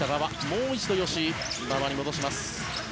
もう一度、吉井馬場に戻します。